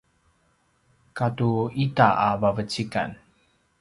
katu ita a vavecikan